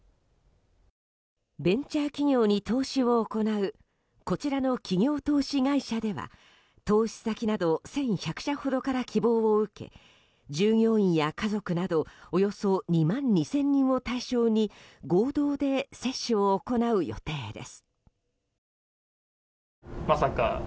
ベンチャー企業に投資を行うこちらの企業投資会社では投資先など１１００社ほどから希望を受け従業員や家族などおよそ２万２０００人を対象に合同で接種を行う予定です。